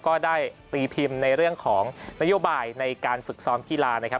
ก็ได้ตีพิมพ์ในเรื่องของนโยบายในการฝึกซ้อมกีฬานะครับ